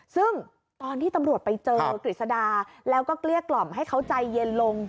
ซึ่งตอนที่ตำรวจไปเจอกฤษดาแล้วก็เกลี้ยกล่อมให้เขาใจเย็นลง